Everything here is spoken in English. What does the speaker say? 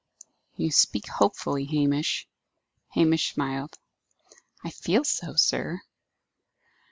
"You speak hopefully, Hamish." Hamish smiled. "I feel so, sir."